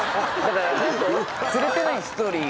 釣れてないストーリー